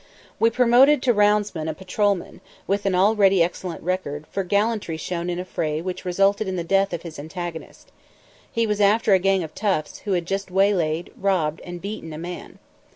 We promoted to roundsman a patrolman, with an already excellent record, for gallantry shown in a fray which resulted in the death of his antagonist. He was after a gang of toughs who had just waylaid, robbed, and beaten a man.